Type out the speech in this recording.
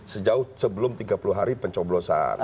sejauh sebelum tiga puluh hari pencoblosan